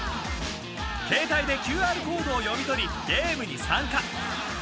［携帯でＱＲコードを読み取りゲームに参加］